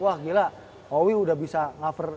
wah gila owi udah bisa ngaper